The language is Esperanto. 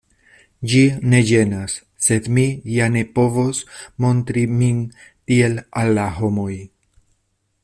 Ĝi ne ĝenas; sed mi ja ne povos montri min tiel al la homoj.